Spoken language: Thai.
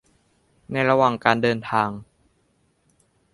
ในระหว่างเดินทาง